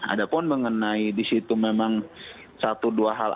ada pun mengenai disitu memang satu dua hal